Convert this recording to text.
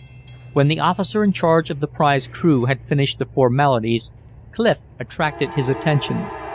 When the officer in charge of the prize crew had finished the formalities, Clif attracted his attention.